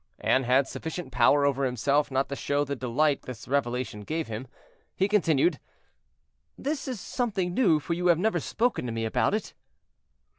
Anne had sufficient power over himself not to show the delight this revelation gave him. He continued: "This is something new, for you have never spoken to me about it."